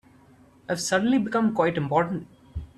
I've suddenly become quite important.